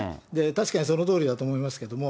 確かにそのとおりだと思いますけれども。